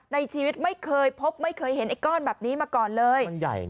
ในชีวิตไม่เคยพบไม่เคยเห็นไอ้ก้อนแบบนี้มาก่อนเลย